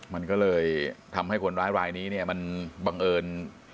มันก็เลยทำให้คนร้ายรายนี้เนี่ยมันบังเอิญ